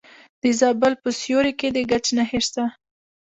د زابل په سیوري کې د ګچ نښې شته.